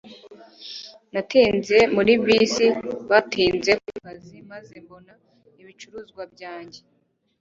natinze muri bisi, natinze ku kazi, maze mbona ibicuruzwa byanjye